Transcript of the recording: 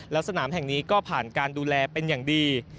แล้วสนามแห่งนี้ก็ผ่านการดูแลเป็นอย่างดี